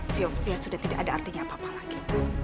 sylvia sudah tidak ada artinya apa apa lagi